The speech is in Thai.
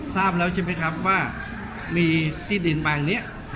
ทราบแล้วใช่ไหมครับว่ามีดินบางอย่างนี้